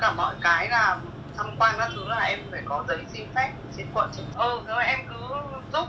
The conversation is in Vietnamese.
cả mọi cái là tham quan các thứ là em phải có giấy xin phép trên quận chị